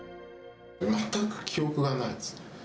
全く記憶がないですね。